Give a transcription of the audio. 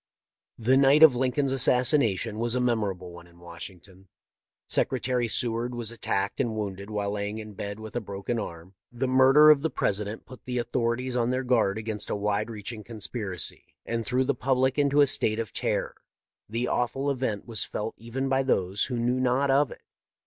" The night of Lincoln's assassination was a mem orable one in Washington. Secretary Seward was attacked and wounded while lying in bed with a broken arm. " The murder of the President put the authorities on their guard against a wide reaching conspiracy, and threw the public into a state of terror. The awful event was felt even by those who knew not of it.